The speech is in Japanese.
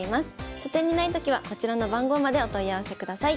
書店にないときはこちらの番号までお問い合わせください。